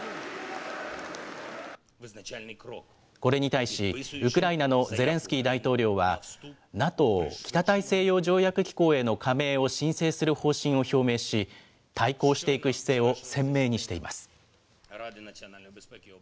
これに対しウクライナのゼレンスキー大統領は、ＮＡＴＯ・北大西洋条約機構への加盟を申請する方針を表明し、対抗していく姿勢を鮮明にしています。